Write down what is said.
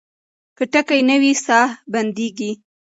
که ټکی نه وي ساه بندېږي.